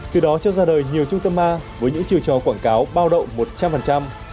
từ đó cho ra đời nhiều trung tâm a với những trừ trò quảng cáo bao động một trăm linh